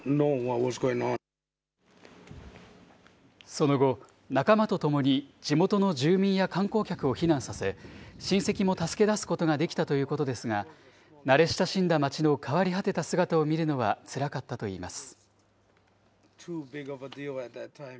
その後、仲間と共に地元の住民や観光客を避難させ、親戚も助け出すことができたということですが、慣れ親しんだ町の変わり果てた姿を見るのはつらかったといいます。